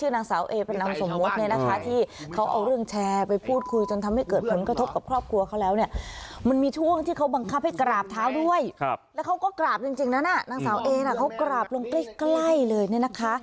แล้วเขาก็กราบจริงแล้วนะนางสาวเอนะเขากราบลงใกล้เลยนี่นะคะ